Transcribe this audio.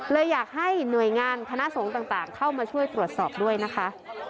เลยอยากให้หน่วยงานคณะสงฆ์ต่างเข้ามาช่วยตรวจสอบด้วยนะคะ